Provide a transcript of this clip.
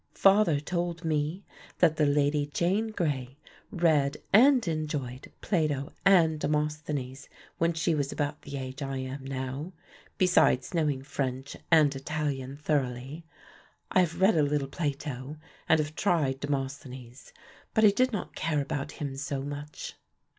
"Father told me that the Lady Jane Grey read and enjoyed Plato and Demosthenes, when she was about the age I am now, besides knowing French and Italian thoroughly. I have read a little Plato and have tried Demosthenes, but I did not care about him so much."